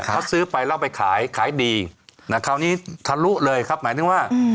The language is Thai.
เขาซื้อไปแล้วไปขายขายดีนะคราวนี้ทะลุเลยครับหมายถึงว่า